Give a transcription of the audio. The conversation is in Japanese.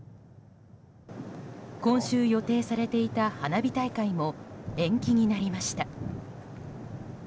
今週予定されていた花火大会も延期になりました。